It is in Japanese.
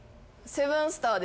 セブンスターは。